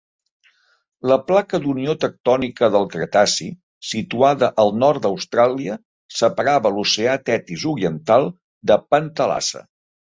La placa d'unió tectònica del Cretaci, situada al nord d'Austràlia, separava l'oceà Tetis oriental de Pantalassa.